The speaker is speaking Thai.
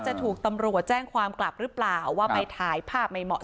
จะถูกตำรวจแจ้งความกลับหรือเปล่าว่าไปถ่ายภาพไม่เหมาะ